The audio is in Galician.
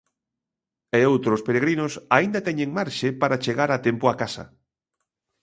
E outros peregrinos aínda teñen marxe para chegar a tempo a casa.